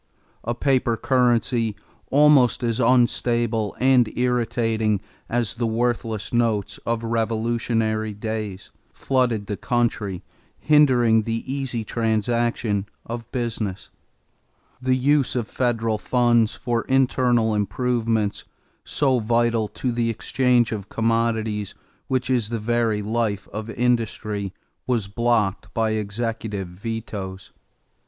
A paper currency, almost as unstable and irritating as the worthless notes of revolutionary days, flooded the country, hindering the easy transaction of business. The use of federal funds for internal improvements, so vital to the exchange of commodities which is the very life of industry, was blocked by executive vetoes.